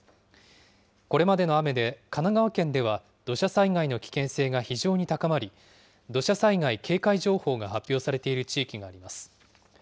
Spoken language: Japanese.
これまでの雨で神奈川県では土砂災害の危険性が非常に高まり、土砂災害警戒情報が発表されている地域があります。